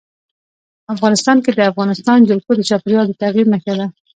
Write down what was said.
افغانستان کې د افغانستان جلکو د چاپېریال د تغیر نښه ده.